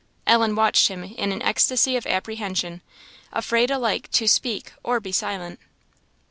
Ellen watched him in an ecstasy of apprehension, afraid alike to speak or to be silent.